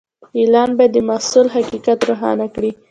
اعلان باید د محصول حقیقت روښانه کړي.